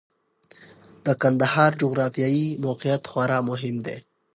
د کندهار جغرافیايي موقعیت خورا مهم دی.